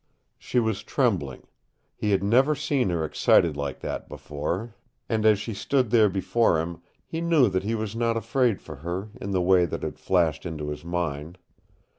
She was trembling. He had never seen her excited like that before, and as she stood there before him, he knew that he was not afraid for her in the way that had flashed into his mind.